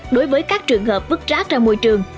đối với các trường hợp vứt rác ra môi trường